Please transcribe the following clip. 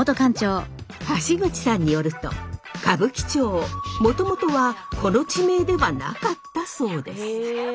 橋口さんによると歌舞伎町もともとはこの地名ではなかったそうです。